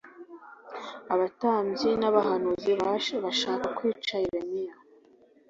abatambyi n’abahanuzi bashaka kwica yeremiya